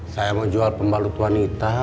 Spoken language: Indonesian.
saya mau jual pembalut wanita